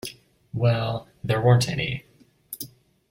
Well — there weren't any.